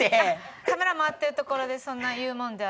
カメラ回ってる所でそんな言うもんではないと。